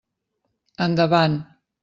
Endavant.